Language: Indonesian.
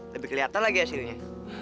lebih kelihatan lagi hasilnya